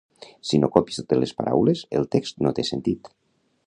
Si no copies totes les paraules, el text no té sentit